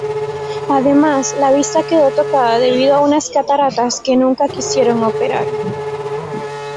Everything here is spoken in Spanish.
Además, la vista quedó tocada debido a unas cataratas que nunca quisieron operar.